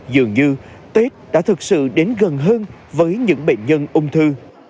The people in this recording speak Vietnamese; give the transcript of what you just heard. dường như tết đã thực sự đến gần hơn với những bệnh nhân ung thư